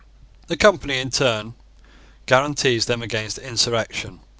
The Company in return guarantees them against insurrection.